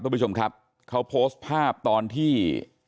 คุณผู้ชมครับเขาโพสต์ภาพตอนที่